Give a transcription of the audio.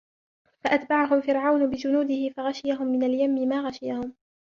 فأتبعهم فرعون بجنوده فغشيهم من اليم ما غشيهم